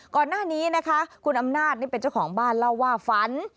ก่อนหน้านี้นะคะคุณอำนาจนี่เป็นเจ้าของบ้านเล่าว่าฝัน